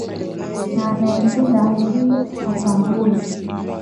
Na anayempenda hajui, hatambui.